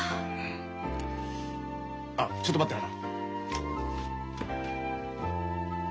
あっちょっと待ってな。